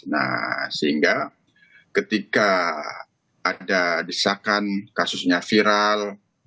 nah sehingga ketika ada desakan kasusnya viral